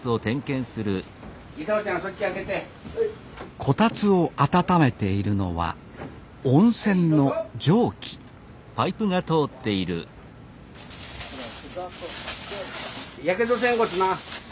こたつを温めているのは温泉の蒸気やけどせんことな。